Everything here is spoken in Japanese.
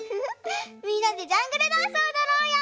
みんなでジャングルダンスをおどろうよ！